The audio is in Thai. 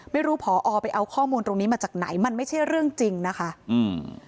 พอไปเอาข้อมูลตรงนี้มาจากไหนมันไม่ใช่เรื่องจริงนะคะอืม